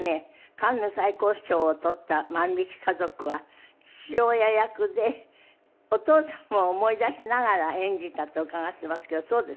カンヌ最高賞を取った『万引き家族』は父親役でお父さんを思い出しながら演じたと伺っていますけどそうですか？